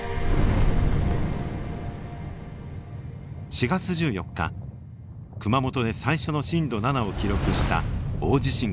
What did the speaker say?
４月１４日熊本で最初の震度７を記録した大地震が発生。